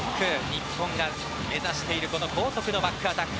日本が目指している高速のバックアタック。